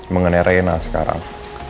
mengenai reina sekarang